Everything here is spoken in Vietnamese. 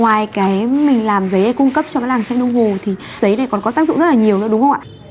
ngoài cái mình làm giấy hay cung cấp cho cái làng tranh đông hồ thì giấy này còn có tác dụng rất là nhiều nữa đúng không ạ